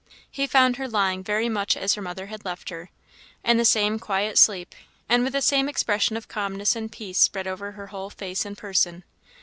He found her lying very much as her mother had left her in the same quiet sleep, and with the same expression of calmness and peace spread over her whole face and person.